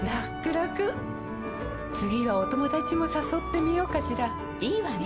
らくらくはお友達もさそってみようかしらいいわね！